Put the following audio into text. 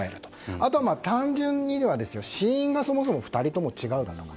あとは単純に、死因はそもそも２人とも違うだとか